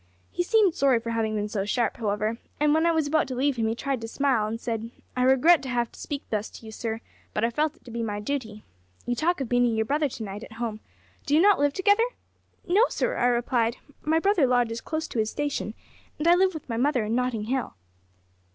He seemed sorry for having been so sharp, however, and when I was about to leave him he tried to smile, and said, `I regret to have to speak thus to you, sir, but I felt it to be my duty. You talk of meeting your brother to night at home; do you not live together?' `No, sir,' I replied; `my brother lodges close to his station, and I live with my mother in Notting Hill.'